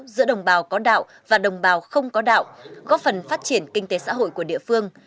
giữa đồng bào có đạo và đồng bào không có đạo góp phần phát triển kinh tế xã hội của địa phương